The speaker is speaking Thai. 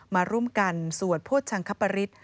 มาร่วมกันสวดโภชังคปริศ